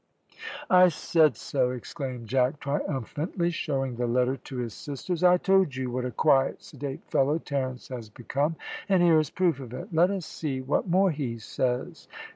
"I said so," exclaimed Jack triumphantly, showing the letter to his sisters; "I told you what a quiet, sedate fellow Terence has become, and here is proof of it. Let us see what more he says."